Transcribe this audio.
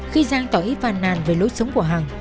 khi giang tỏ ý phàn nàn về lối sống của hằng